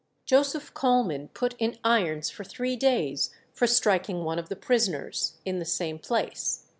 "Joseph Coleman put in irons for three days for striking one of the prisoners," in the same place.